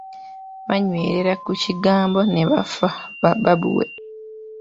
Baanywerera ku kigambo ne bafa ba baabuwe.